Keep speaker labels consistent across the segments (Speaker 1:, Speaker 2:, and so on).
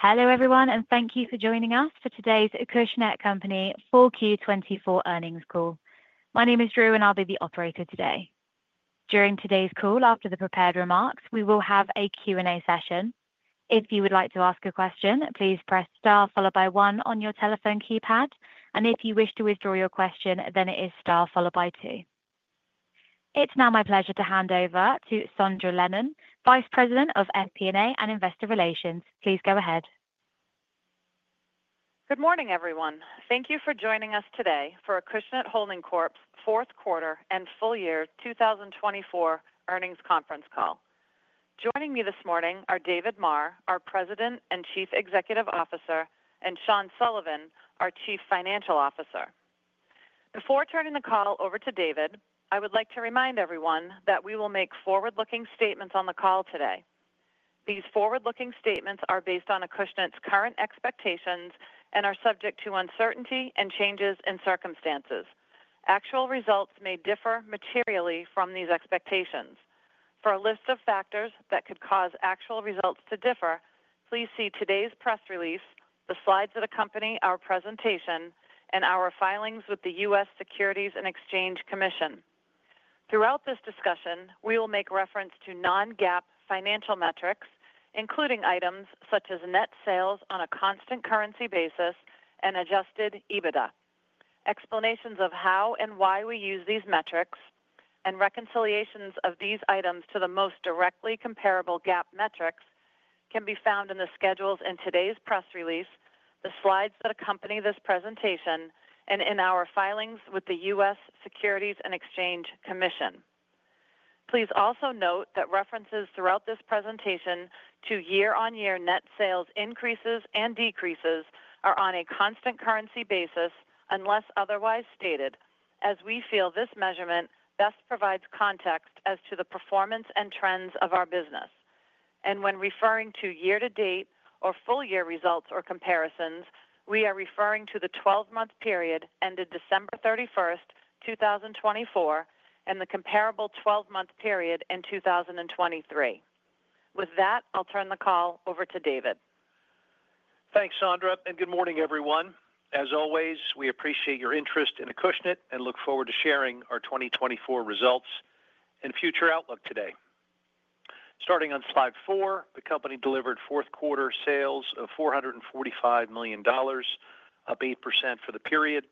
Speaker 1: Hello everyone, and thank you for joining us for today's Acushnet Company Q4 2024 earnings call. My name is Drew, and I'll be the operator today. During today's call, after the prepared remarks, we will have a Q&A session. If you would like to ask a question, please press star followed by one on your telephone keypad, and if you wish to withdraw your question, then it is star followed by two. It's now my pleasure to hand over to Sondra Lennon, Vice President of FP&A and Investor Relations. Please go ahead.
Speaker 2: Good morning everyone. Thank you for joining us today for Acushnet Holdings Corp's fourth quarter and full year 2024 earnings conference call. Joining me this morning are David Maher, our President and Chief Executive Officer, and Sean Sullivan, our Chief Financial Officer. Before turning the call over to David, I would like to remind everyone that we will make forward-looking statements on the call today. These forward-looking statements are based on Acushnet's current expectations and are subject to uncertainty and changes in circumstances. Actual results may differ materially from these expectations. For a list of factors that could cause actual results to differ, please see today's press release, the slides that accompany our presentation, and our filings with the U.S. Securities and Exchange Commission. Throughout this discussion, we will make reference to non-GAAP financial metrics, including items such as net sales on a constant currency basis and adjusted EBITDA. Explanations of how and why we use these metrics, and reconciliations of these items to the most directly comparable GAAP metrics, can be found in the schedules in today's press release, the slides that accompany this presentation, and in our filings with the U.S. Securities and Exchange Commission. Please also note that references throughout this presentation to year-on-year net sales increases and decreases are on a constant currency basis unless otherwise stated, as we feel this measurement best provides context as to the performance and trends of our business. And when referring to year-to-date or full-year results or comparisons, we are referring to the 12-month period ended December 31st, 2024, and the comparable 12-month period in 2023. With that, I'll turn the call over to David.
Speaker 3: Thanks, Sondra, and good morning everyone. As always, we appreciate your interest in Acushnet and look forward to sharing our 2024 results and future outlook today. Starting on slide four, the company delivered fourth quarter sales of $445 million, up 8% for the period,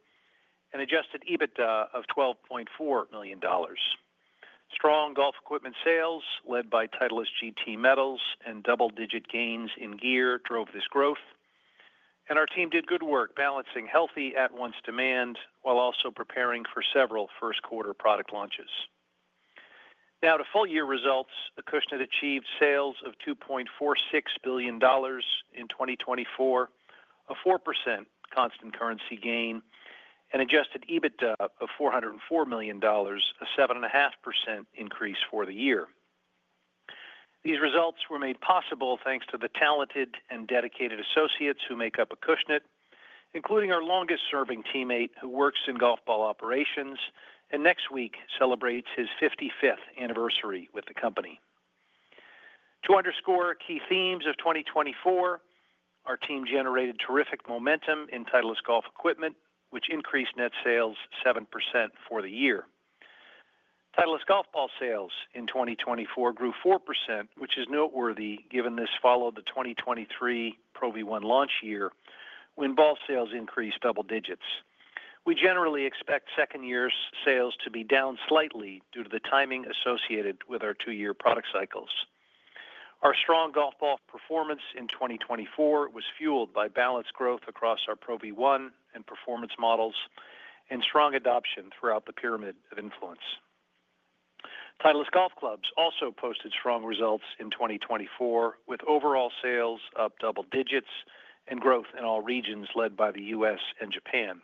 Speaker 3: and adjusted EBITDA of $12.4 million. Strong golf equipment sales, led by Titleist GT Metals and double-digit gains in gear, drove this growth, and our team did good work balancing healthy at-once demand while also preparing for several first-quarter product launches. Now, to full-year results, Acushnet achieved sales of $2.46 billion in 2024, a 4% constant currency gain, and adjusted EBITDA of $404 million, a 7.5% increase for the year. These results were made possible thanks to the talented and dedicated associates who make up Acushnet, including our longest-serving teammate who works in golf ball operations and next week celebrates his 55th anniversary with the company. To underscore key themes of 2024, our team generated terrific momentum in Titleist golf equipment, which increased net sales 7% for the year. Titleist golf ball sales in 2024 grew 4%, which is noteworthy given this followed the 2023 Pro V1 launch year, when ball sales increased double digits. We generally expect second-year sales to be down slightly due to the timing associated with our two-year product cycles. Our strong golf ball performance in 2024 was fueled by balanced growth across our Pro V1 and performance models, and strong adoption throughout the Pyramid of Influence. Titleist golf clubs also posted strong results in 2024, with overall sales up double digits and growth in all regions led by the U.S. and Japan.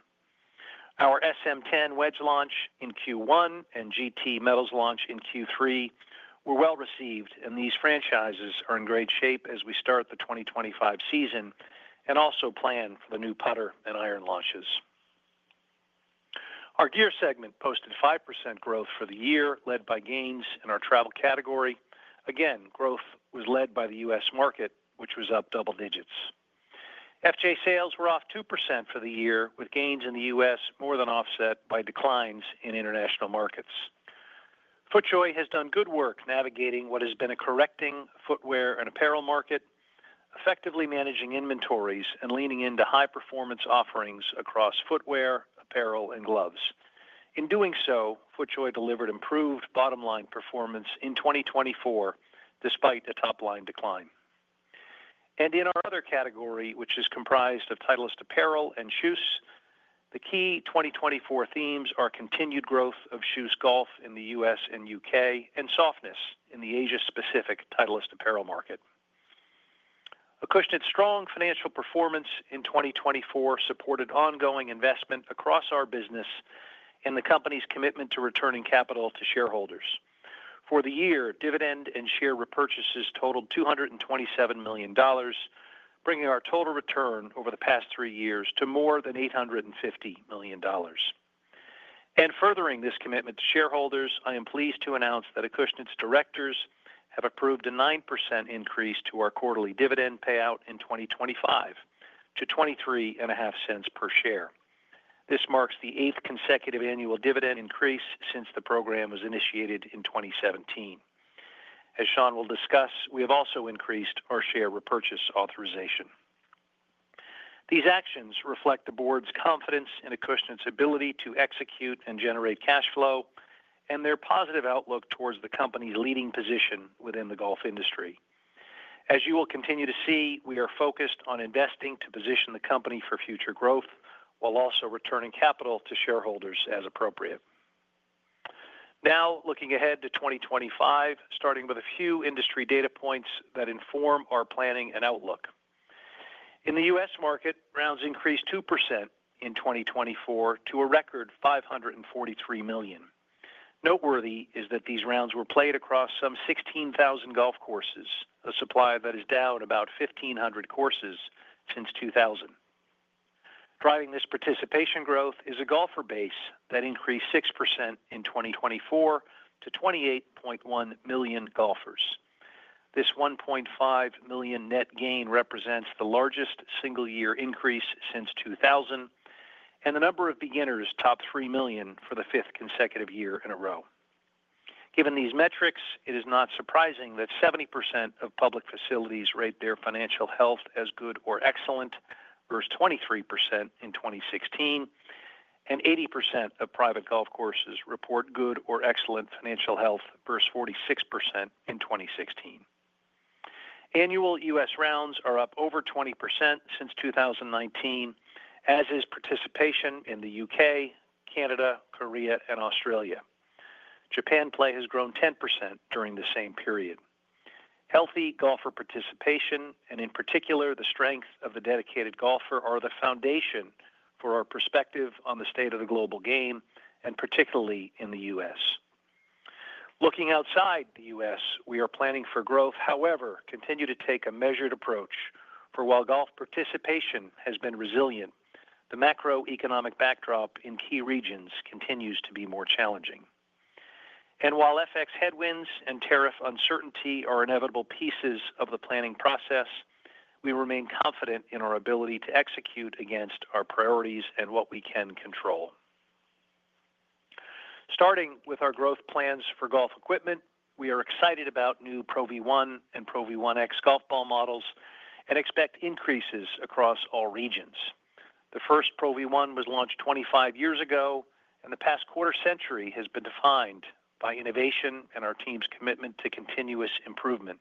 Speaker 3: Our SM10 wedge launch in Q1 and GT Metals launch in Q3 were well received, and these franchises are in great shape as we start the 2025 season and also plan for the new putter and iron launches. Our gear segment posted 5% growth for the year, led by gains in our travel category. Again, growth was led by the U.S. market, which was up double digits. FJ sales were off 2% for the year, with gains in the U.S. more than offset by declines in international markets. FootJoy has done good work navigating what has been a correcting footwear and apparel market, effectively managing inventories and leaning into high-performance offerings across footwear, apparel, and gloves. In doing so, FootJoy delivered improved bottom-line performance in 2024 despite a top-line decline. In our other category, which is comprised of Titleist apparel and shoes, the key 2024 themes are continued growth of golf shoes in the U.S. and U.K., and softness in the Asia-Pacific Titleist apparel market. Acushnet's strong financial performance in 2024 supported ongoing investment across our business and the company's commitment to returning capital to shareholders. For the year, dividend and share repurchases totaled $227 million, bringing our total return over the past three years to more than $850 million. Furthering this commitment to shareholders, I am pleased to announce that Acushnet's directors have approved a 9% increase to our quarterly dividend payout in 2025 to $0.235 per share. This marks the eighth consecutive annual dividend increase since the program was initiated in 2017. As Sean will discuss, we have also increased our share repurchase authorization. These actions reflect the board's confidence in Acushnet's ability to execute and generate cash flow, and their positive outlook towards the company's leading position within the golf industry. As you will continue to see, we are focused on investing to position the company for future growth while also returning capital to shareholders as appropriate. Now, looking ahead to 2025, starting with a few industry data points that inform our planning and outlook. In the U.S. market, rounds increased 2% in 2024 to a record 543 million. Noteworthy is that these rounds were played across some 16,000 golf courses, a supply that is down about 1,500 courses since 2000. Driving this participation growth is a golfer base that increased 6% in 2024 to 28.1 million golfers. This 1.5 million net gain represents the largest single-year increase since 2000, and the number of beginners topped 3 million for the fifth consecutive year in a row. Given these metrics, it is not surprising that 70% of public facilities rate their financial health as good or excellent, versus 23% in 2016, and 80% of private golf courses report good or excellent financial health, versus 46% in 2016. Annual U.S. rounds are up over 20% since 2019, as is participation in the U.K., Canada, Korea, and Australia. Japan play has grown 10% during the same period. Healthy golfer participation, and in particular the strength of the dedicated golfer, are the foundation for our perspective on the state of the global game, and particularly in the U.S. Looking outside the U.S., we are planning for growth. However, continue to take a measured approach, for while golf participation has been resilient, the macroeconomic backdrop in key regions continues to be more challenging, and while FX headwinds and tariff uncertainty are inevitable pieces of the planning process, we remain confident in our ability to execute against our priorities and what we can control. Starting with our growth plans for golf equipment, we are excited about new Pro V1 and Pro V1x golf ball models and expect increases across all regions. The first Pro V1 was launched 25 years ago, and the past quarter century has been defined by innovation and our team's commitment to continuous improvement.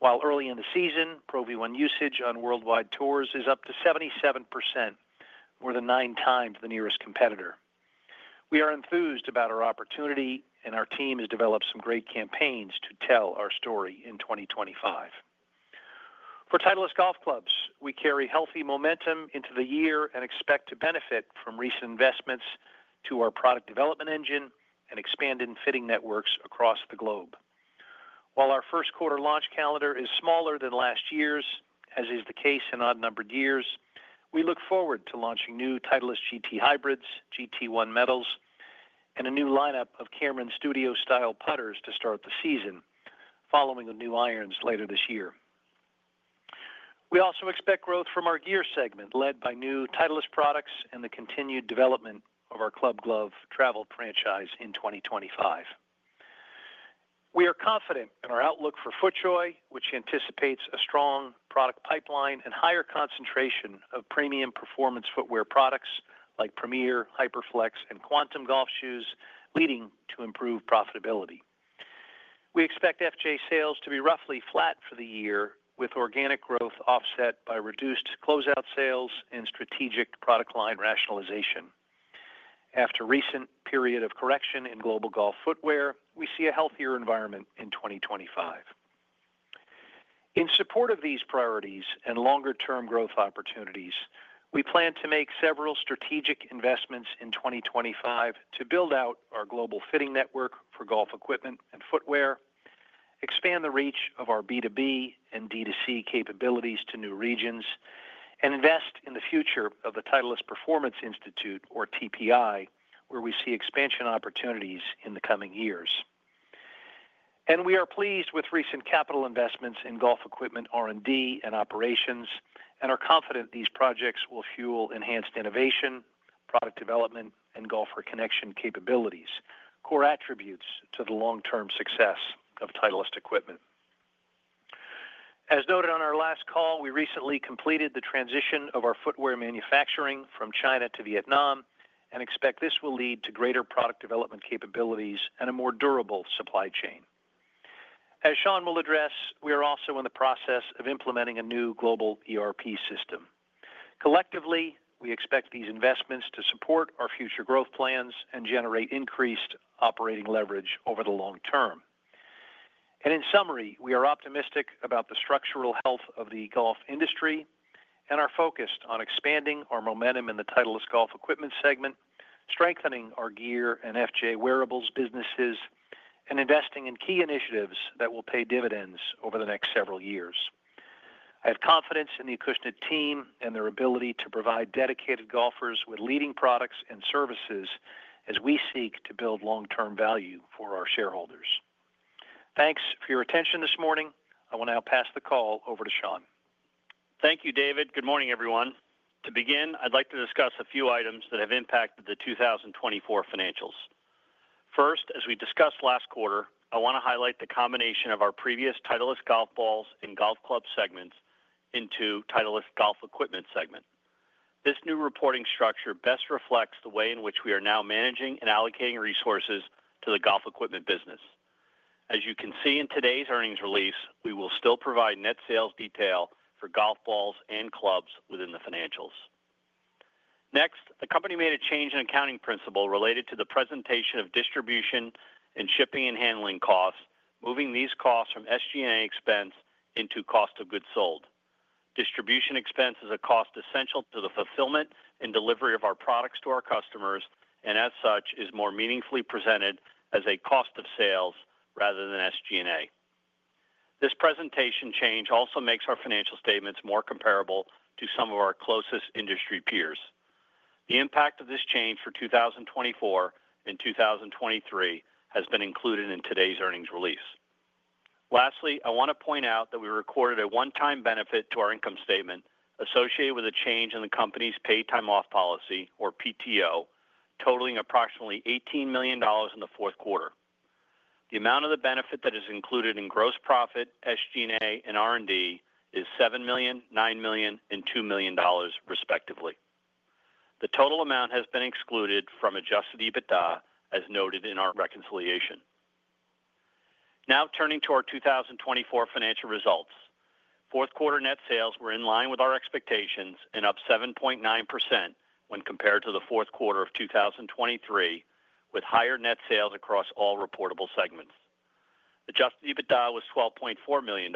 Speaker 3: While early in the season, Pro V1 usage on worldwide tours is up to 77%, more than 9x the nearest competitor. We are enthused about our opportunity, and our team has developed some great campaigns to tell our story in 2025. For Titleist golf clubs, we carry healthy momentum into the year and expect to benefit from recent investments to our product development engine and expanded fitting networks across the globe. While our first quarter launch calendar is smaller than last year's, as is the case in odd-numbered years, we look forward to launching new Titleist GT Hybrids, GT1 Metals, and a new lineup of Cameron Studio Style putters to start the season, following with new irons later this year. We also expect growth from our gear segment, led by new Titleist products and the continued development of our Club Glove travel franchise in 2025. We are confident in our outlook for FootJoy, which anticipates a strong product pipeline and higher concentration of premium performance footwear products like Premiere, HyperFlex, and Quantum golf shoes, leading to improved profitability. We expect FJ sales to be roughly flat for the year, with organic growth offset by reduced closeout sales and strategic product line rationalization. After a recent period of correction in global golf footwear, we see a healthier environment in 2025. In support of these priorities and longer-term growth opportunities, we plan to make several strategic investments in 2025 to build out our global fitting network for golf equipment and footwear, expand the reach of our B2B and D2C capabilities to new regions, and invest in the future of the Titleist Performance Institute, or TPI, where we see expansion opportunities in the coming years. We are pleased with recent capital investments in golf equipment R&D and operations and are confident these projects will fuel enhanced innovation, product development, and golfer connection capabilities, core attributes to the long-term success of Titleist equipment. As noted on our last call, we recently completed the transition of our footwear manufacturing from China to Vietnam and expect this will lead to greater product development capabilities and a more durable supply chain. As Sean will address, we are also in the process of implementing a new global ERP system. Collectively, we expect these investments to support our future growth plans and generate increased operating leverage over the long term. In summary, we are optimistic about the structural health of the golf industry and are focused on expanding our momentum in the Titleist golf equipment segment, strengthening our gear and FJ wearables businesses, and investing in key initiatives that will pay dividends over the next several years. I have confidence in the Acushnet team and their ability to provide dedicated golfers with leading products and services as we seek to build long-term value for our shareholders. Thanks for your attention this morning. I will now pass the call over to Sean.
Speaker 4: Thank you, David. Good morning, everyone. To begin, I'd like to discuss a few items that have impacted the 2024 financials. First, as we discussed last quarter, I want to highlight the combination of our previous Titleist golf balls and golf club segments into Titleist golf equipment segment. This new reporting structure best reflects the way in which we are now managing and allocating resources to the golf equipment business. As you can see in today's earnings release, we will still provide net sales detail for golf balls and clubs within the financials. Next, the company made a change in accounting principle related to the presentation of distribution and shipping and handling costs, moving these costs from SG&A expense into cost of goods sold. Distribution expense is a cost essential to the fulfillment and delivery of our products to our customers and, as such, is more meaningfully presented as a cost of sales rather than SG&A. This presentation change also makes our financial statements more comparable to some of our closest industry peers. The impact of this change for 2024 and 2023 has been included in today's earnings release. Lastly, I want to point out that we recorded a one-time benefit to our income statement associated with a change in the company's paid time off policy, or PTO, totaling approximately $18 million in the fourth quarter. The amount of the benefit that is included in gross profit, SG&A, and R&D is $7 million, $9 million, and $2 million, respectively. The total amount has been excluded from adjusted EBITDA, as noted in our reconciliation. Now, turning to our 2024 financial results, fourth quarter net sales were in line with our expectations and up 7.9% when compared to the fourth quarter of 2023, with higher net sales across all reportable segments. Adjusted EBITDA was $12.4 million,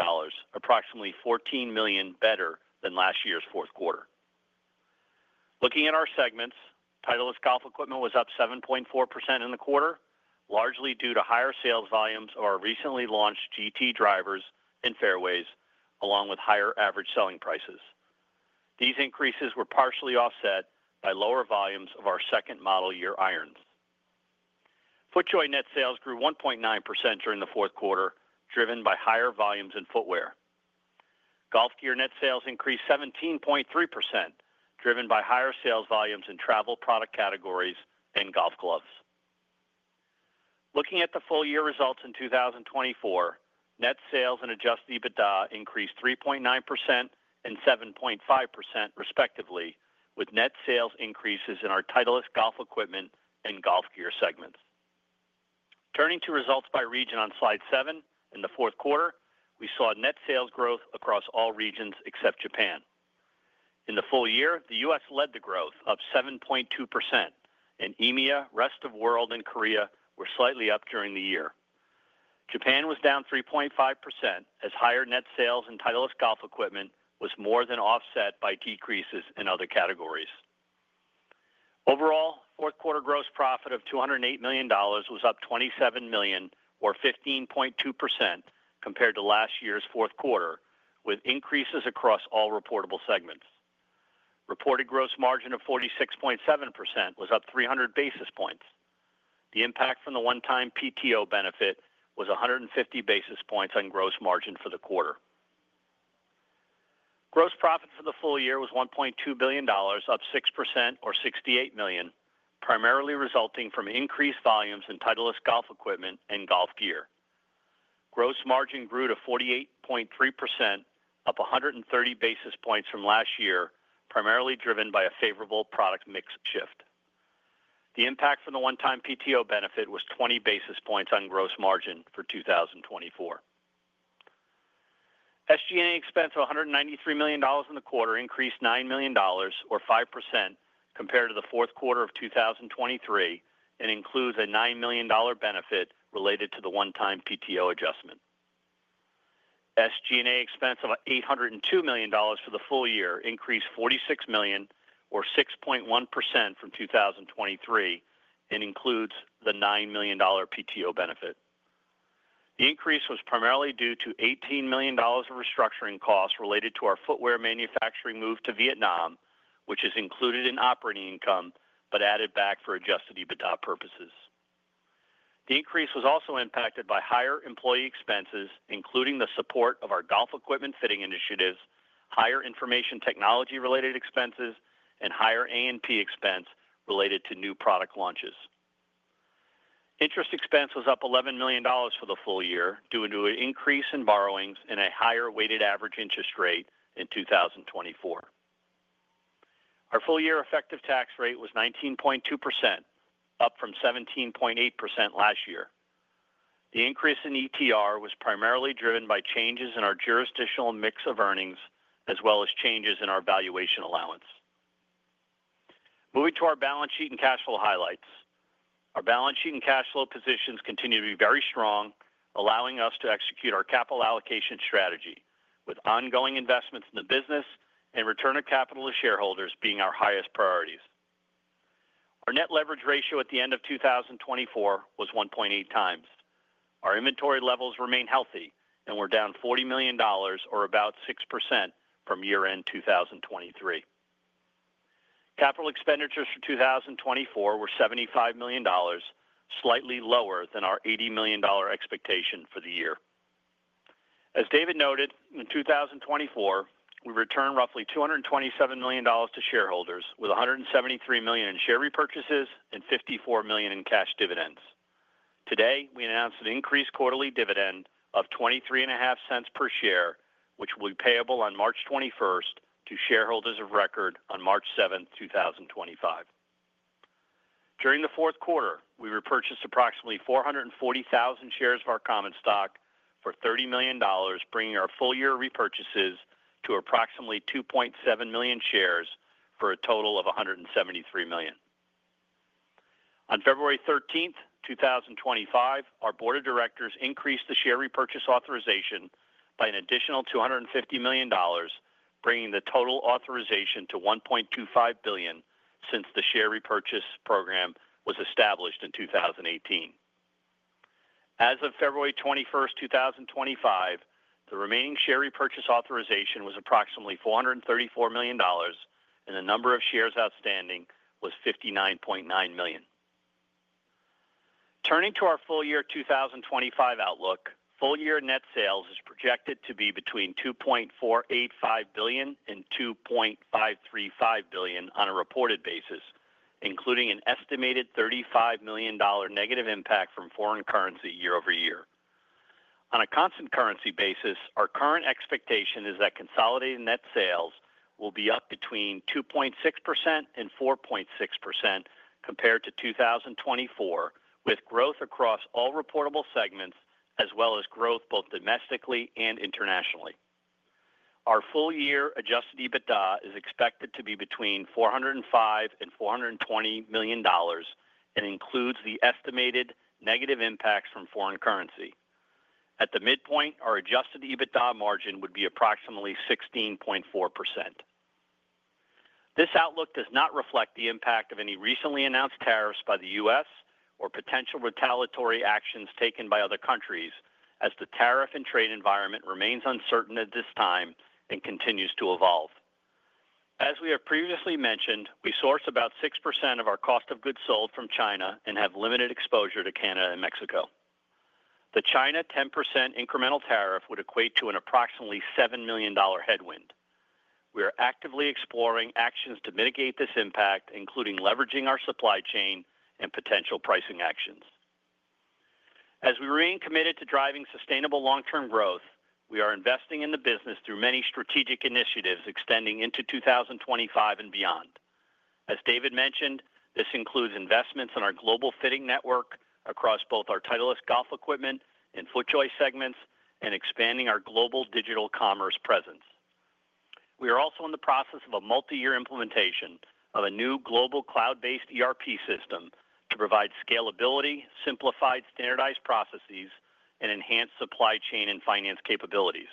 Speaker 4: approximately $14 million better than last year's fourth quarter. Looking at our segments, Titleist golf equipment was up 7.4% in the quarter, largely due to higher sales volumes of our recently launched GT drivers and fairways, along with higher average selling prices. These increases were partially offset by lower volumes of our second model year irons. FootJoy net sales grew 1.9% during the fourth quarter, driven by higher volumes in footwear. Golf gear net sales increased 17.3%, driven by higher sales volumes in travel product categories and golf gloves. Looking at the full year results in 2024, net sales and adjusted EBITDA increased 3.9% and 7.5%, respectively, with net sales increases in our Titleist golf equipment and golf gear segments. Turning to results by region on slide seven, in the fourth quarter, we saw net sales growth across all regions except Japan. In the full year, the U.S. led the growth, up 7.2%, and EMEA, Rest of World, and Korea were slightly up during the year. Japan was down 3.5%, as higher net sales in Titleist golf equipment was more than offset by decreases in other categories. Overall, fourth quarter gross profit of $208 million was up $27 million, or 15.2%, compared to last year's fourth quarter, with increases across all reportable segments. Reported gross margin of 46.7% was up 300 basis points. The impact from the one-time PTO benefit was 150 basis points on gross margin for the quarter. Gross profit for the full year was $1.2 billion, up 6%, or $68 million, primarily resulting from increased volumes in Titleist golf equipment and golf gear. Gross margin grew to 48.3%, up 130 basis points from last year, primarily driven by a favorable product mix shift. The impact from the one-time PTO benefit was 20 basis points on gross margin for 2024. SG&A expense of $193 million in the quarter increased $9 million, or 5%, compared to the fourth quarter of 2023, and includes a $9 million benefit related to the one-time PTO adjustment. SG&A expense of $802 million for the full year increased $46 million, or 6.1%, from 2023, and includes the $9 million PTO benefit. The increase was primarily due to $18 million of restructuring costs related to our footwear manufacturing move to Vietnam, which is included in operating income but added back for adjusted EBITDA purposes. The increase was also impacted by higher employee expenses, including the support of our golf equipment fitting initiatives, higher information technology-related expenses, and higher A&P expense related to new product launches. Interest expense was up $11 million for the full year due to an increase in borrowings and a higher weighted average interest rate in 2024. Our full-year effective tax rate was 19.2%, up from 17.8% last year. The increase in ETR was primarily driven by changes in our jurisdictional mix of earnings, as well as changes in our valuation allowance. Moving to our balance sheet and cash flow highlights. Our balance sheet and cash flow positions continue to be very strong, allowing us to execute our capital allocation strategy, with ongoing investments in the business and return of capital to shareholders being our highest priorities. Our net leverage ratio at the end of 2024 was 1.8x. Our inventory levels remain healthy, and we're down $40 million, or about 6%, from year-end 2023. Capital expenditures for 2024 were $75 million, slightly lower than our $80 million expectation for the year. As David noted, in 2024, we returned roughly $227 million to shareholders, with $173 million in share repurchases and $54 million in cash dividends. Today, we announced an increased quarterly dividend of $0.235 per share, which will be payable on March 21st to shareholders of record on March 7, 2025. During the fourth quarter, we repurchased approximately 440,000 shares of our common stock for $30 million, bringing our full-year repurchases to approximately 2.7 million shares for a total of $173 million. On February 13, 2025, our board of directors increased the share repurchase authorization by an additional $250 million, bringing the total authorization to $1.25 billion since the share repurchase program was established in 2018. As of February 21, 2025, the remaining share repurchase authorization was approximately $434 million, and the number of shares outstanding was 59.9 million. Turning to our full-year 2025 outlook, full-year net sales is projected to be between $2.485 billion and $2.535 billion on a reported basis, including an estimated $35 million negative impact from foreign currency year over year. On a constant-currency basis, our current expectation is that consolidated net sales will be up between 2.6% and 4.6% compared to 2024, with growth across all reportable segments, as well as growth both domestically and internationally. Our full-year Adjusted EBITDA is expected to be between $405 and $420 million and includes the estimated negative impacts from foreign currency. At the midpoint, our adjusted EBITDA margin would be approximately 16.4%. This outlook does not reflect the impact of any recently announced tariffs by the U.S. or potential retaliatory actions taken by other countries, as the tariff and trade environment remains uncertain at this time and continues to evolve. As we have previously mentioned, we source about 6% of our cost of goods sold from China and have limited exposure to Canada and Mexico. The China 10% incremental tariff would equate to an approximately $7 million headwind. We are actively exploring actions to mitigate this impact, including leveraging our supply chain and potential pricing actions. As we remain committed to driving sustainable long-term growth, we are investing in the business through many strategic initiatives extending into 2025 and beyond. As David mentioned, this includes investments in our global fitting network across both our Titleist golf equipment and FootJoy segments and expanding our global digital commerce presence. We are also in the process of a multi-year implementation of a new global cloud-based ERP system to provide scalability, simplified standardized processes, and enhanced supply chain and finance capabilities.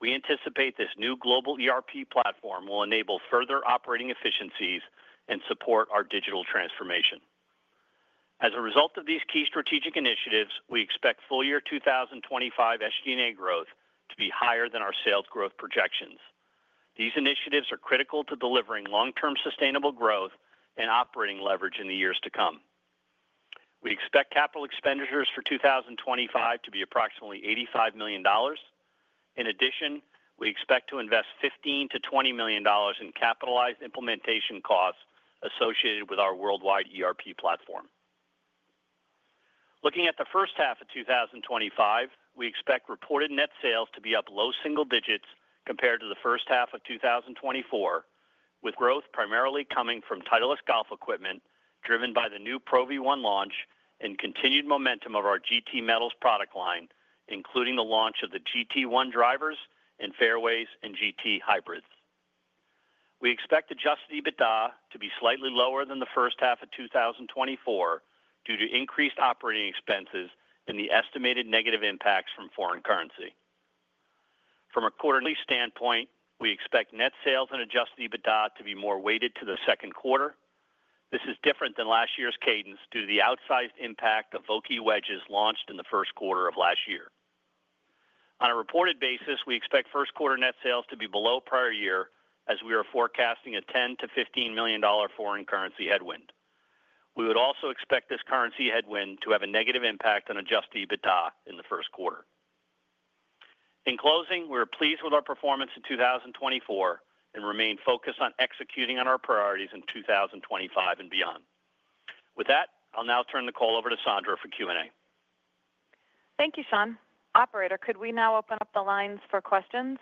Speaker 4: We anticipate this new global ERP platform will enable further operating efficiencies and support our digital transformation. As a result of these key strategic initiatives, we expect full-year 2025 SG&A growth to be higher than our sales growth projections. These initiatives are critical to delivering long-term sustainable growth and operating leverage in the years to come. We expect capital expenditures for 2025 to be approximately $85 million. In addition, we expect to invest $15 million-$20 million in capitalized implementation costs associated with our worldwide ERP platform. Looking at the first half of 2025, we expect reported net sales to be up low single digits compared to the first half of 2024, with growth primarily coming from Titleist golf equipment driven by the new Pro V1 launch and continued momentum of our GT Metals product line, including the launch of the GT1 drivers and fairways and GT Hybrids. We expect Adjusted EBITDA to be slightly lower than the first half of 2024 due to increased operating expenses and the estimated negative impacts from foreign currency. From a quarterly standpoint, we expect net sales and adjusted EBITDA to be more weighted to the second quarter. This is different than last year's cadence due to the outsized impact of Vokey wedges launched in the first quarter of last year. On a reported basis, we expect first quarter net sales to be below prior year, as we are forecasting a $10 million-$15 million foreign currency headwind. We would also expect this currency headwind to have a negative impact on adjusted EBITDA in the first quarter. In closing, we are pleased with our performance in 2024 and remain focused on executing on our priorities in 2025 and beyond. With that, I'll now turn the call over to Sondra for Q&A.
Speaker 2: Thank you, Sean. Operator, could we now open up the lines for questions?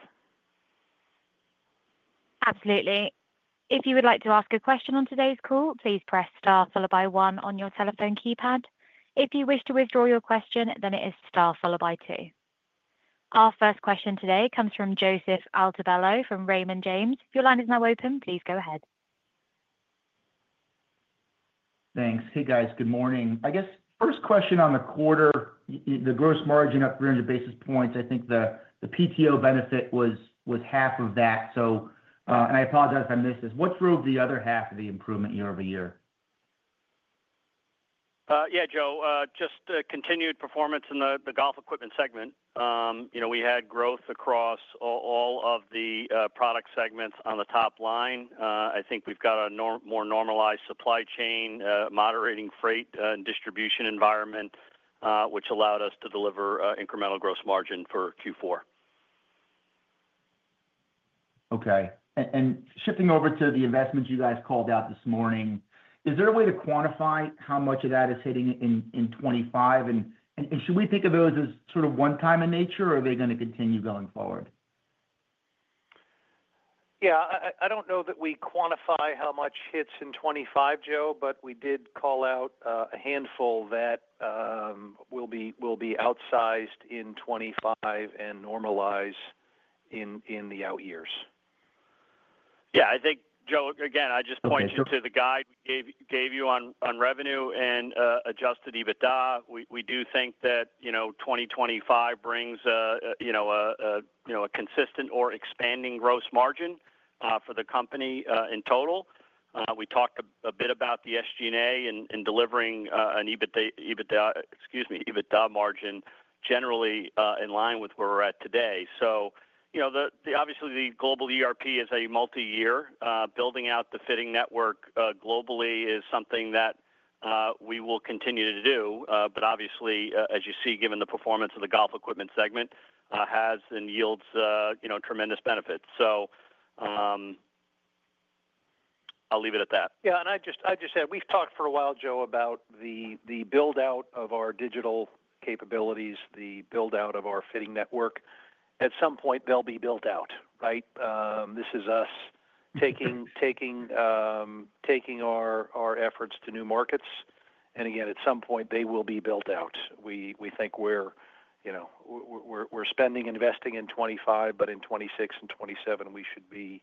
Speaker 1: Absolutely. If you would like to ask a question on today's call, please press star followed by one on your telephone keypad. If you wish to withdraw your question, then it is star followed by two. Our first question today comes from Joseph Altobello from Raymond James. Your line is now open. Please go ahead.
Speaker 5: Thanks. Hey, guys. Good morning. I guess first question on the quarter, the gross margin up 300 basis points. I think the PTO benefit was half of that. I apologize if I missed this. What drove the other half of the improvement year over year?
Speaker 4: Yeah, Joe. Just continued performance in the golf equipment segment. We had growth across all of the product segments on the top line. I think we've got a more normalized supply chain, moderating freight and distribution environment, which allowed us to deliver incremental gross margin for Q4.
Speaker 5: Okay. Shifting over to the investments you guys called out this morning, is there a way to quantify how much of that is hitting in 2025? And should we think of those as sort of one-time in nature, or are they going to continue going forward?
Speaker 3: Yeah. I don't know that we quantify how much hits in 2025, Joe, but we did call out a handful that will be outsized in 2025 and normalize in the out years.
Speaker 4: Yeah. I think, Joe, again, I just point you to the guide we gave you on revenue and adjusted EBITDA. We do think that 2025 brings a consistent or expanding gross margin for the company in total. We talked a bit about the SG&A and delivering an EBITDA, excuse me, EBITDA margin generally in line with where we're at today. Obviously, the global ERP is a multi-year. Building out the fitting network globally is something that we will continue to do. But obviously, as you see, given the performance of the golf equipment segment, it has and yields tremendous benefits. So I'll leave it at that. Yeah. And I just said we've talked for a while, Joe, about the build-out of our digital capabilities, the build-out of our fitting network. At some point, they'll be built out, right? This is us taking our efforts to new markets. And again, at some point, they will be built out. We think we're spending, investing in 2025, but in 2026 and 2027, we should be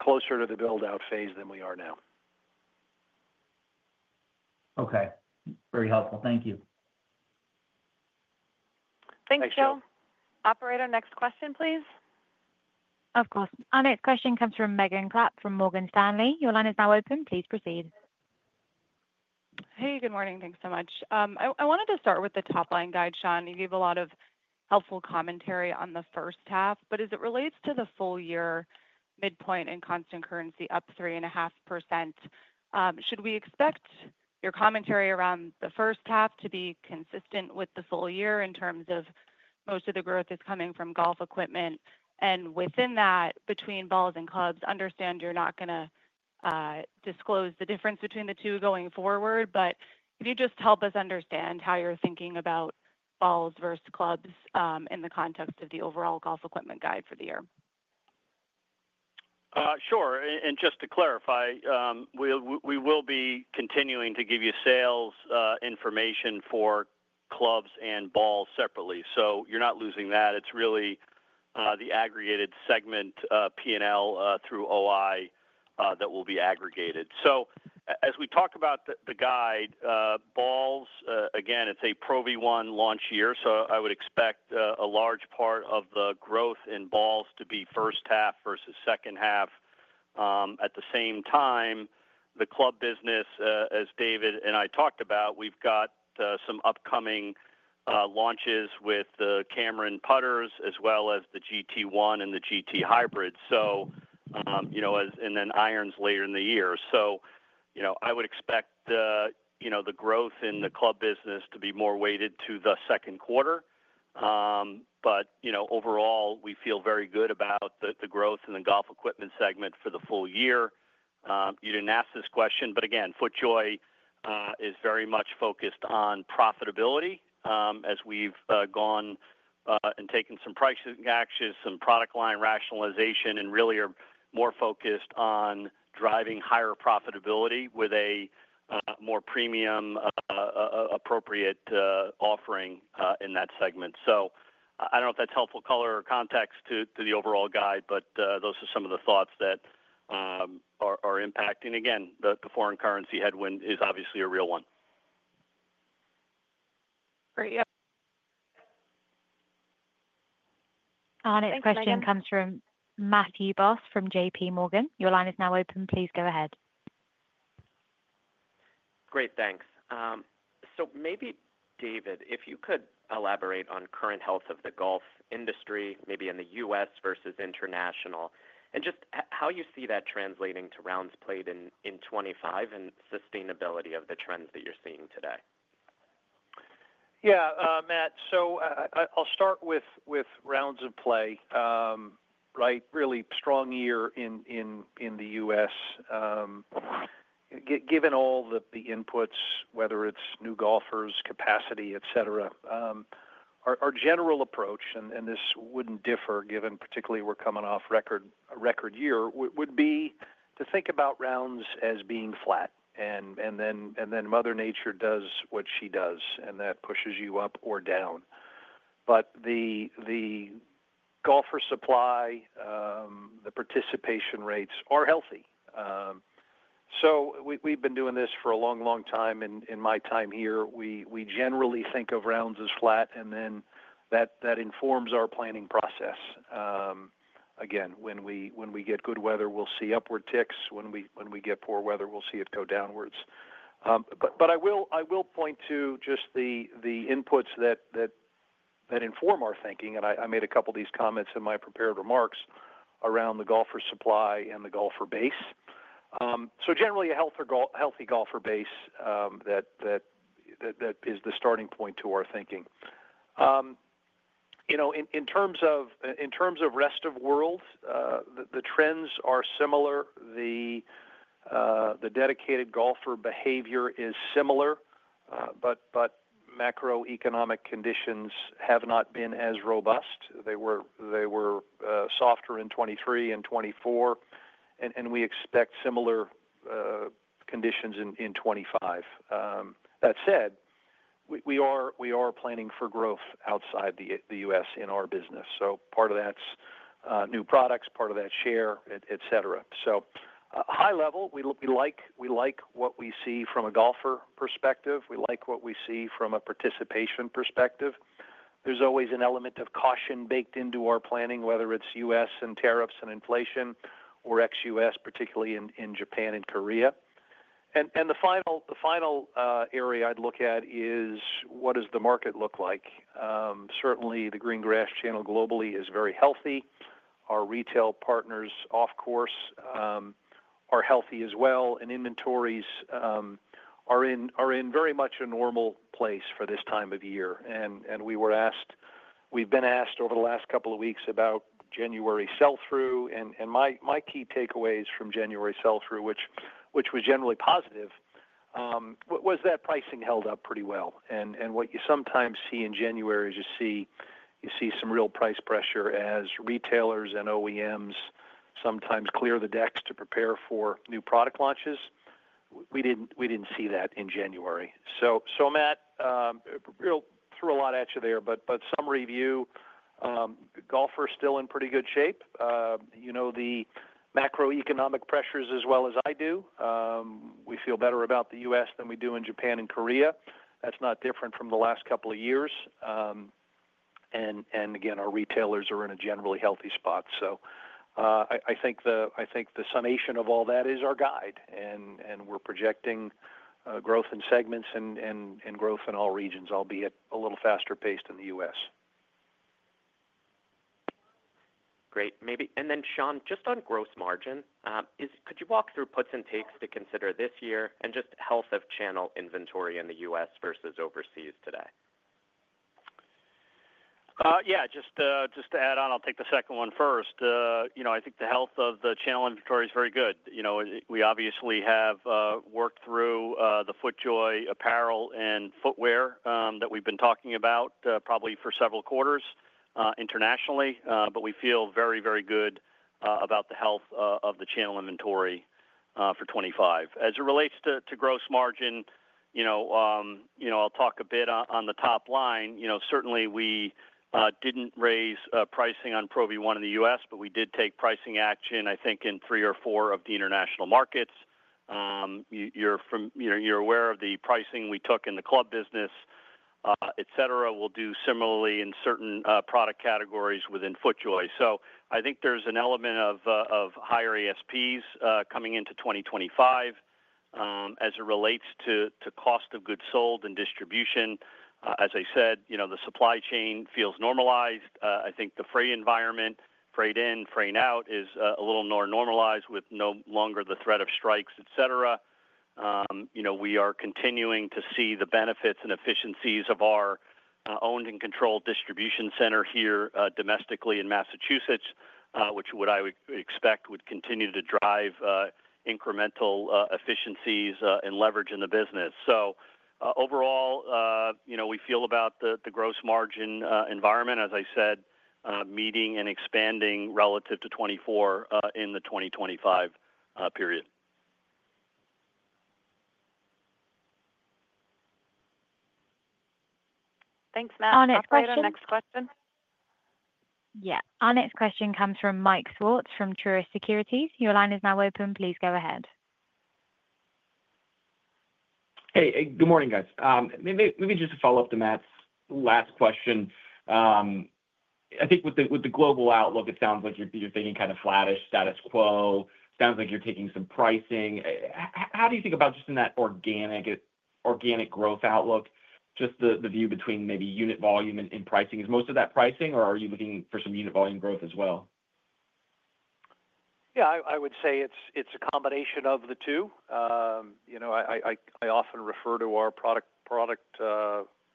Speaker 4: closer to the build-out phase than we are now.
Speaker 5: Okay. Very helpful. Thank you.
Speaker 2: Thanks, Joe. Operator, next question, please.
Speaker 1: Of course. Our next question comes from Megan Clapp from Morgan Stanley. Your line is now open. Please proceed.
Speaker 6: Hey, good morning. Thanks so much. I wanted to start with the top line guide, Sean. You gave a lot of helpful commentary on the first half. But as it relates to the full-year midpoint and constant currency up 3.5%, should we expect your commentary around the first half to be consistent with the full year in terms of most of the growth is coming from golf equipment? And within that, between balls and clubs, understand you're not going to disclose the difference between the two going forward, but can you just help us understand how you're thinking about balls versus clubs in the context of the overall golf equipment guide for the year?
Speaker 4: Sure. And just to clarify, we will be continuing to give you sales information for clubs and balls separately. So you're not losing that. It's really the aggregated segment P&L through OI that will be aggregated. So as we talk about the guide, balls, again, it's a Pro V1 launch year, so I would expect a large part of the growth in balls to be first half versus second half. At the same time, the club business, as David and I talked about, we've got some upcoming launches with the Cameron Putters as well as the GT1 and the GT Hybrid, so irons later in the year. So I would expect the growth in the club business to be more weighted to the second quarter. But overall, we feel very good about the growth in the golf equipment segment for the full year. You didn't ask this question, but again, FootJoy is very much focused on profitability as we've gone and taken some pricing actions, some product line rationalization, and really are more focused on driving higher profitability with a more premium-appropriate offering in that segment. So I don't know if that's helpful color or context to the overall guide, but those are some of the thoughts that are impacting. Again, the foreign currency headwind is obviously a real one.
Speaker 6: Great. Yeah.
Speaker 1: Our next question comes from Matthew Boss from JP Morgan. Your line is now open. Please go ahead.
Speaker 7: Great. Thanks. So maybe, David, if you could elaborate on current health of the golf industry, maybe in the U.S. versus international, and just how you see that translating to rounds played in 2025 and sustainability of the trends that you're seeing today.
Speaker 3: Yeah, Matt. So I'll start with rounds of play, right? Really strong year in the U.S. Given all the inputs, whether it's new golfers, capacity, etc., our general approach, and this wouldn't differ given particularly we're coming off a record year, would be to think about rounds as being flat, and then Mother Nature does what she does, and that pushes you up or down, but the golfer supply, the participation rates are healthy, so we've been doing this for a long, long time. In my time here, we generally think of rounds as flat, and then that informs our planning process. Again, when we get good weather, we'll see upward ticks. When we get poor weather, we'll see it go downwards, but I will point to just the inputs that inform our thinking, and I made a couple of these comments in my prepared remarks around the golfer supply and the golfer base. So generally, a healthy golfer base that is the starting point to our thinking. In terms of Rest of World, the trends are similar. The dedicated golfer behavior is similar, but macroeconomic conditions have not been as robust. They were softer in 2023 and 2024, and we expect similar conditions in 2025. That said, we are planning for growth outside the U.S. in our business. So part of that's new products, part of that's share, etc. So high level, we like what we see from a golfer perspective. We like what we see from a participation perspective. There's always an element of caution baked into our planning, whether it's U.S. and tariffs and inflation or ex-U.S., particularly in Japan and Korea. And the final area I'd look at is what does the market look like? Certainly, the Greengrass channel globally is very healthy. Our retail partners off-course are healthy as well, and inventories are in very much a normal place for this time of year. We were asked. We've been asked over the last couple of weeks about January sell-through, and my key takeaways from January sell-through, which was generally positive, was that pricing held up pretty well. What you sometimes see in January is you see some real price pressure as retailers and OEMs sometimes clear the decks to prepare for new product launches. We didn't see that in January. So, Matt, threw a lot at you there, but summary view, golfers still in pretty good shape. The macroeconomic pressures as well as I do. We feel better about the U.S. than we do in Japan and Korea. That's not different from the last couple of years. Again, our retailers are in a generally healthy spot. So, I think the summation of all that is our guide, and we're projecting growth in segments and growth in all regions, albeit a little faster paced in the U.S.
Speaker 7: Great. And then, Sean, just on gross margin, could you walk through puts and takes to consider this year and just health of channel inventory in the U.S. versus overseas today?
Speaker 4: Yeah. Just to add on, I'll take the second one first. I think the health of the channel inventory is very good. We obviously have worked through the FootJoy apparel and footwear that we've been talking about probably for several quarters internationally, but we feel very, very good about the health of the channel inventory for 2025. As it relates to gross margin, I'll talk a bit on the top line. Certainly, we didn't raise pricing on Pro V1 in the U.S., but we did take pricing action, I think, in three or four of the international markets. You're aware of the pricing we took in the club business, etc. We'll do similarly in certain product categories within FootJoy. So I think there's an element of higher ASPs coming into 2025 as it relates to cost of goods sold and distribution. As I said, the supply chain feels normalized. I think the freight environment, freight in, freight out, is a little more normalized with no longer the threat of strikes, etc. We are continuing to see the benefits and efficiencies of our owned and controlled distribution center here domestically in Massachusetts, which I would expect would continue to drive incremental efficiencies and leverage in the business. So overall, we feel about the gross margin environment, as I said, meeting and expanding relative to 2024 in the 2025 period.
Speaker 2: Thanks, Matt. Our next question.
Speaker 1: Yeah. Our next question comes from Mike Swartz from Truist Securities. Your line is now open. Please go ahead.
Speaker 8: Hey. Good morning, guys. Maybe just to follow up to Matt's last question. I think with the global outlook, it sounds like you're thinking kind of flattish status quo. Sounds like you're taking some pricing. How do you think about just in that organic growth outlook, just the view between maybe unit volume and pricing? Is most of that pricing, or are you looking for some unit volume growth as well?
Speaker 3: Yeah. I would say it's a combination of the two. I often refer to our product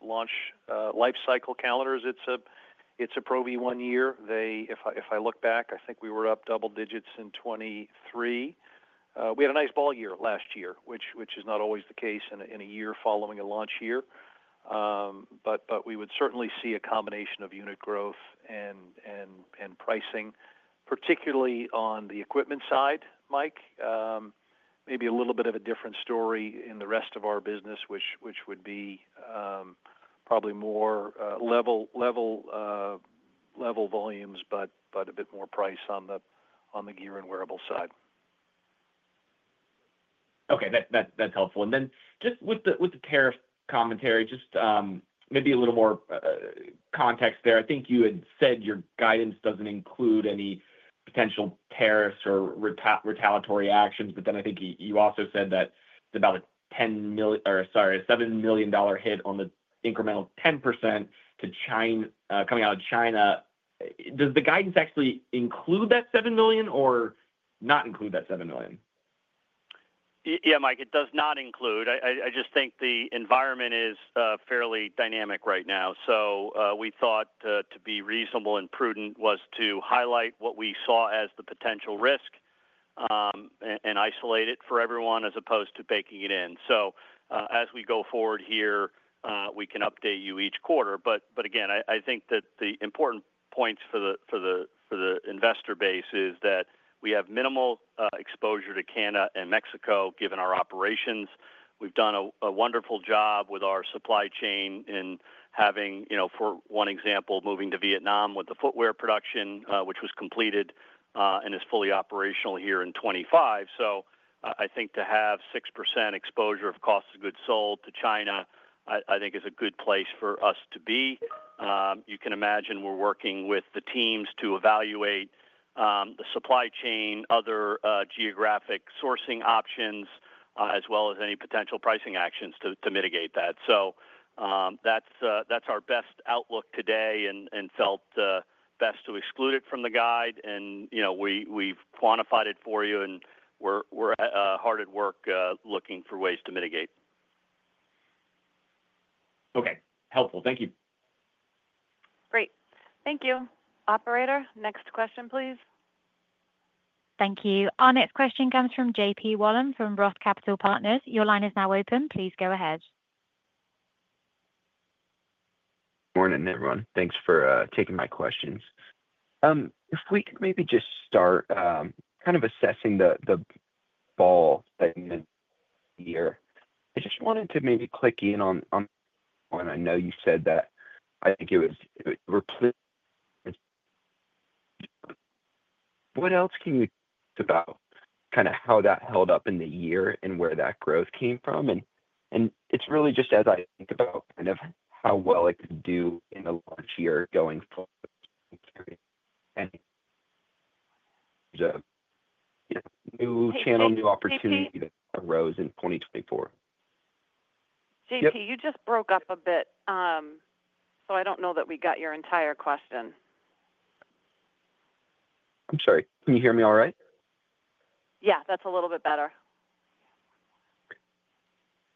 Speaker 3: launch life cycle calendars. It's a Pro V1 year. If I look back, I think we were up double digits in 2023. We had a nice ball year last year, which is not always the case in a year following a launch year. But we would certainly see a combination of unit growth and pricing, particularly on the equipment side, Mike. Maybe a little bit of a different story in the rest of our business, which would be probably more level volumes, but a bit more price on the gear and wearable side.
Speaker 8: Okay. That's helpful. And then just with the tariff commentary, just maybe a little more context there. I think you had said your guidance doesn't include any potential tariffs or retaliatory actions, but then I think you also said that it's about a $10 million or sorry, a $7 million hit on the incremental 10% to China coming out of China. Does the guidance actually include that $7 million or not include that $7 million?
Speaker 4: Yeah, Mike. It does not include. I just think the environment is fairly dynamic right now. So we thought to be reasonable and prudent was to highlight what we saw as the potential risk and isolate it for everyone as opposed to baking it in. So as we go forward here, we can update you each quarter. But again, I think that the important points for the investor base is that we have minimal exposure to Canada and Mexico given our operations. We've done a wonderful job with our supply chain in having, for one example, moving to Vietnam with the footwear production, which was completed and is fully operational here in 2025. So I think to have 6% exposure of cost of goods sold to China, I think, is a good place for us to be. You can imagine we're working with the teams to evaluate the supply chain, other geographic sourcing options, as well as any potential pricing actions to mitigate that. So that's our best outlook today and felt best to exclude it from the guide. And we've quantified it for you, and we're hard at work looking for ways to mitigate.
Speaker 8: Okay. Helpful. Thank you. Great. Thank you, operator. Next question, please.
Speaker 1: Thank you. Our next question comes from JP Wollam from Roth Capital Partners. Your line is now open. Please go ahead.
Speaker 9: Good morning, everyone. Thanks for taking my questions. If we could maybe just start kind of assessing the ball that you're in here, I just wanted to maybe click in on one I know you said that I think it was replaced. What else can you think about kind of how that held up in the year and where that growth came from? And it's really just as I think about kind of how well it could do in the last year going forward and new channel, new opportunity that arose in 2024.
Speaker 2: JP, you just broke up a bit, so I don't know that we got your entire question.
Speaker 9: I'm sorry. Can you hear me all right?
Speaker 2: Yeah. That's a little bit better.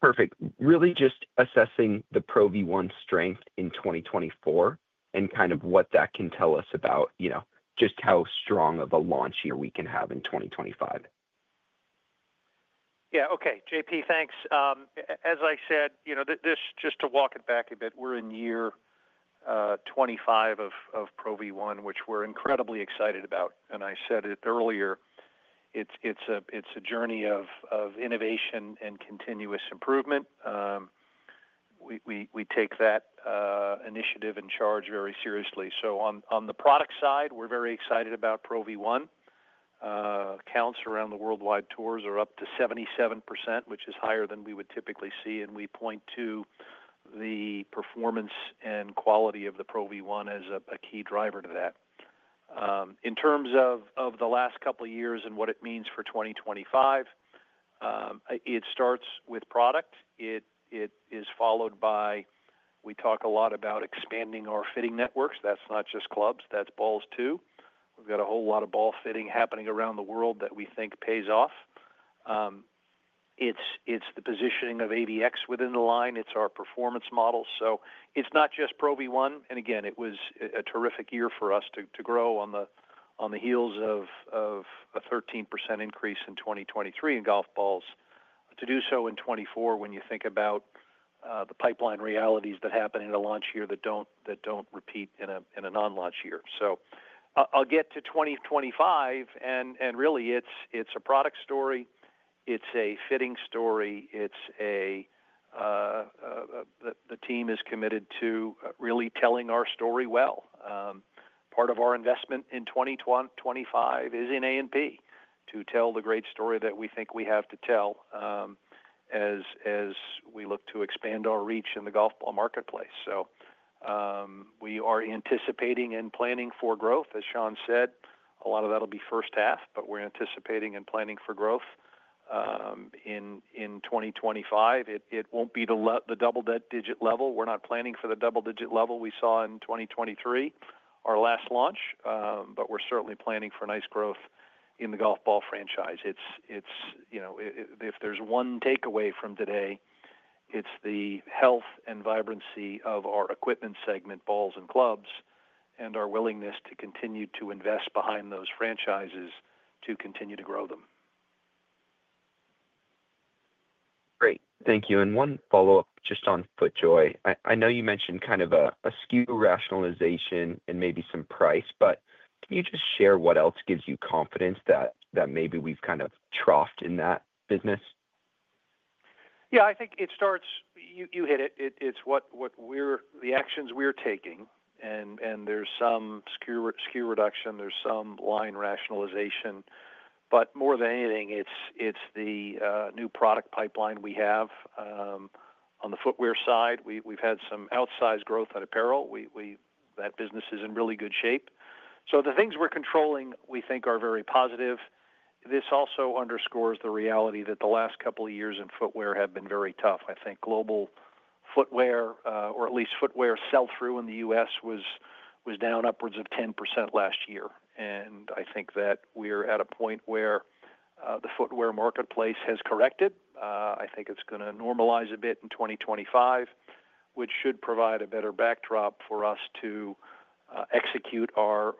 Speaker 9: Perfect. Really just assessing the Pro V1 strength in 2024 and kind of what that can tell us about just how strong of a launch year we can have in 2025.
Speaker 3: Yeah. Okay. JP, thanks. As I said, just to walk it back a bit, we're in year 25 of Pro V1, which we're incredibly excited about. And I said it earlier. It's a journey of innovation and continuous improvement. We take that initiative and charge very seriously. So on the product side, we're very excited about Pro V1. Counts around the worldwide tours are up to 77%, which is higher than we would typically see. And we point to the performance and quality of the Pro V1 as a key driver to that. In terms of the last couple of years and what it means for 2025, it starts with product. It is followed by we talk a lot about expanding our fitting networks. That's not just clubs. That's balls too. We've got a whole lot of ball fitting happening around the world that we think pays off. It's the positioning of AVX within the line. It's our performance model. So it's not just Pro V1. And again, it was a terrific year for us to grow on the heels of a 13% increase in 2023 in golf balls to do so in 2024 when you think about the pipeline realities that happen in a launch year that don't repeat in a non-launch year. So I'll get to 2025. And really, it's a product story. It's a fitting story. The team is committed to really telling our story well. Part of our investment in 2025 is in A&P to tell the great story that we think we have to tell as we look to expand our reach in the golf ball marketplace. So we are anticipating and planning for growth. As Sean said, a lot of that will be first half, but we're anticipating and planning for growth in 2025. It won't be the double-digit level. We're not planning for the double-digit level we saw in 2023, our last launch, but we're certainly planning for nice growth in the golf ball franchise. If there's one takeaway from today, it's the health and vibrancy of our equipment segment, balls and clubs, and our willingness to continue to invest behind those franchises to continue to grow them.
Speaker 9: Great. Thank you. And one follow-up just on FootJoy. I know you mentioned kind of a SKU rationalization and maybe some price, but can you just share what else gives you confidence that maybe we've kind of troughed in that business?
Speaker 3: Yeah. I think it starts—you hit it. It's the actions we're taking. And there's some SKU reduction. There's some line rationalization. But more than anything, it's the new product pipeline we have on the footwear side. We've had some outsized growth on apparel. That business is in really good shape. So the things we're controlling, we think, are very positive. This also underscores the reality that the last couple of years in footwear have been very tough. I think global footwear, or at least footwear sell-through in the U.S., was down upwards of 10% last year. And I think that we're at a point where the footwear marketplace has corrected. I think it's going to normalize a bit in 2025, which should provide a better backdrop for us to execute our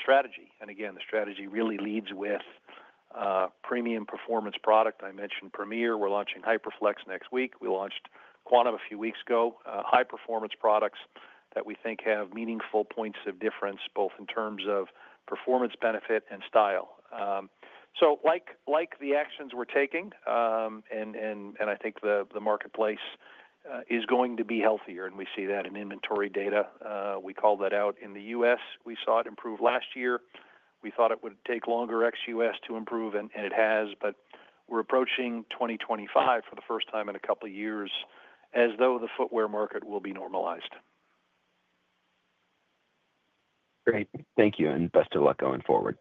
Speaker 3: strategy. And again, the strategy really leads with premium performance product. I mentioned Premiere. We're launching HyperFlex next week. We launched Quantum a few weeks ago. High-performance products that we think have meaningful points of difference both in terms of performance benefit and style. So like the actions we're taking, and I think the marketplace is going to be healthier, and we see that in inventory data. We called that out in the U.S. We saw it improve last year. We thought it would take longer ex U.S. to improve, and it has. But we're approaching 2025 for the first time in a couple of years as though the footwear market will be normalized.
Speaker 9: Great. Thank you. And best of luck going forward.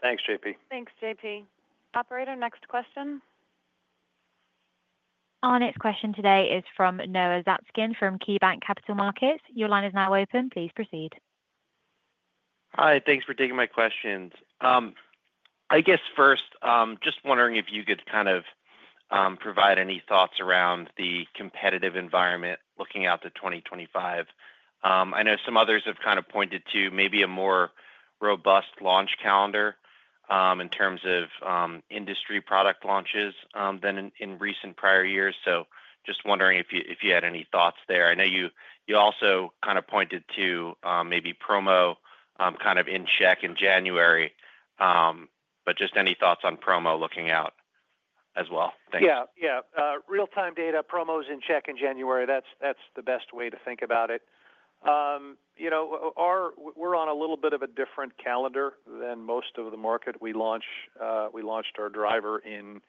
Speaker 3: Thanks, JP.
Speaker 2: Thanks, JP. Operator, next question.
Speaker 1: Our next question today is from Noah Zatzkin from KeyBanc Capital Markets. Your line is now open. Please proceed.
Speaker 10: Hi. Thanks for taking my questions. I guess first, just wondering if you could kind of provide any thoughts around the competitive environment looking out to 2025. I know some others have kind of pointed to maybe a more robust launch calendar in terms of industry product launches than in recent prior years. So just wondering if you had any thoughts there. I know you also kind of pointed to maybe promo kind of in check in January, but just any thoughts on promo looking out as well. Thanks.
Speaker 3: Yeah. Yeah. Real-time data, promos in check in January. That's the best way to think about it. We're on a little bit of a different calendar than most of the market. We launched our driver in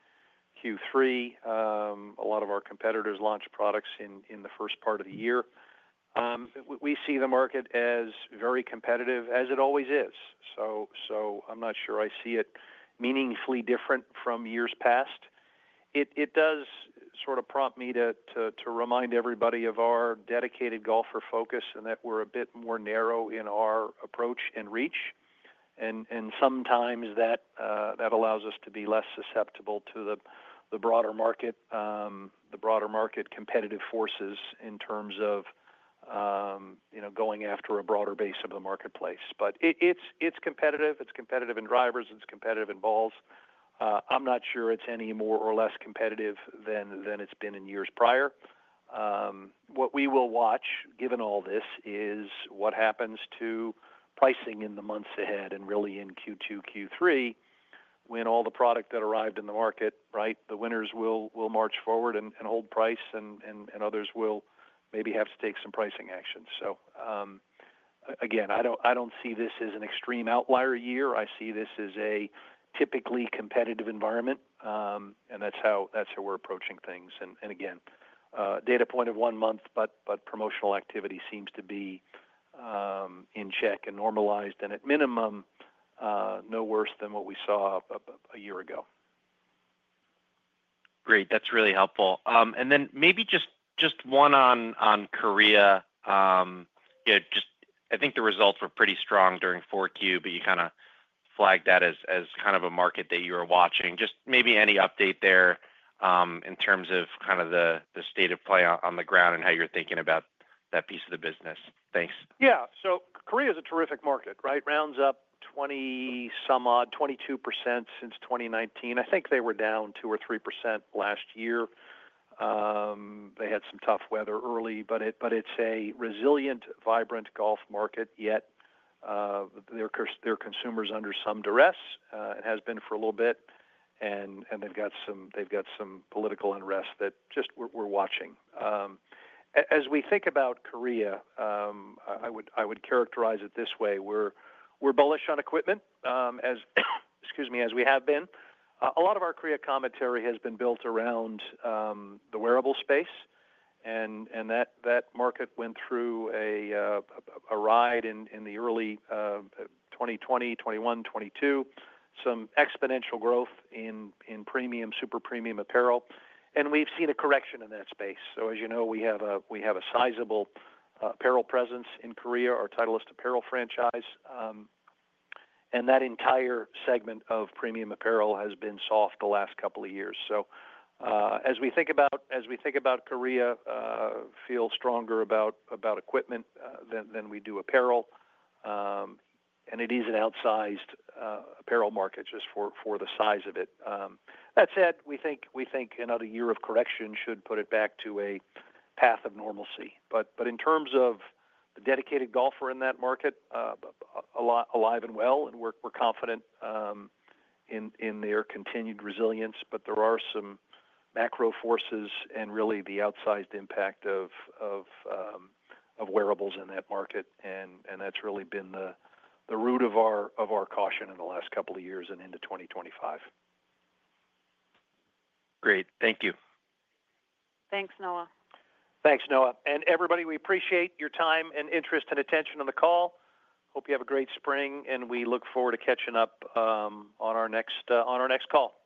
Speaker 3: Q3. A lot of our competitors launch products in the first part of the year. We see the market as very competitive, as it always is. So I'm not sure I see it meaningfully different from years past. It does sort of prompt me to remind everybody of our dedicated golfer focus and that we're a bit more narrow in our approach and reach, and sometimes that allows us to be less susceptible to the broader market, the broader market competitive forces in terms of going after a broader base of the marketplace, but it's competitive. It's competitive in drivers. It's competitive in balls. I'm not sure it's any more or less competitive than it's been in years prior. What we will watch, given all this, is what happens to pricing in the months ahead and really in Q2, Q3 when all the product that arrived in the market, right, the winners will march forward and hold price, and others will maybe have to take some pricing action, so again, I don't see this as an extreme outlier year. I see this as a typically competitive environment, and that's how we're approaching things. And again, data point of one month, but promotional activity seems to be in check and normalized and at minimum no worse than what we saw a year ago.
Speaker 10: Great. That's really helpful. And then maybe just one on Korea. I think the results were pretty strong during Q4, but you kind of flagged that as kind of a market that you were watching. Just maybe any update there in terms of kind of the state of play on the ground and how you're thinking about that piece of the business. Thanks.
Speaker 3: Yeah. So Korea is a terrific market, right? Rounds up 20-some odd, 22% since 2019. I think they were down 2% or 3% last year. They had some tough weather early, but it's a resilient, vibrant golf market, yet their consumers are under some duress. It has been for a little bit, and they've got some political unrest that just we're watching. As we think about Korea, I would characterize it this way. We're bullish on equipment, excuse me, as we have been. A lot of our Korea commentary has been built around the wearable space, and that market went through a ride in the early 2020, 2021, 2022, some exponential growth in premium, super premium apparel. And we've seen a correction in that space. So as you know, we have a sizable apparel presence in Korea, our Titleist apparel franchise. And that entire segment of premium apparel has been soft the last couple of years. So as we think about Korea, we feel stronger about equipment than we do apparel. And it is an outsized apparel market just for the size of it. That said, we think another year of correction should put it back to a path of normalcy. But in terms of the dedicated golfer in that market, alive and well, and we're confident in their continued resilience, but there are some macro forces and really the outsized impact of wearables in that market. And that's really been the root of our caution in the last couple of years and into 2025.
Speaker 10: Great. Thank you.
Speaker 2: Thanks, Noah.
Speaker 3: Thanks, Noah. And everybody, we appreciate your time and interest and attention on the call. Hope you have a great spring, and we look forward to catching up on our next call.